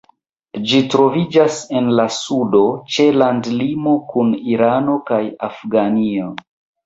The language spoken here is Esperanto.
Ĝi troviĝas en la sudo, ĉe landlimo kun Irano kaj Afganio.